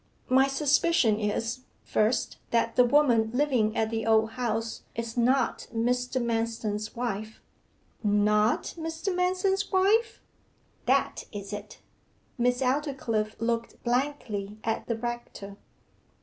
My suspicion is, first, that the woman living at the Old House is not Mr. Manston's wife.' 'Not Mr. Manston's wife?' 'That is it.' Miss Aldclyffe looked blankly at the rector.